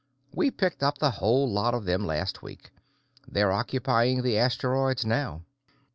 We picked up the whole lot of them last week; they're occupying the asteroids now."